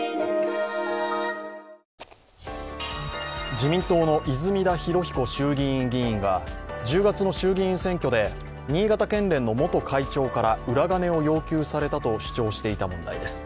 自民党の泉田裕彦衆議院議員が１０月の衆議院選挙で新潟県連の元会長から裏金を要求されたと主張していた問題です。